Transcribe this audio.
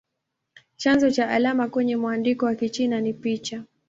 Chanzo cha alama kwenye mwandiko wa Kichina ni picha.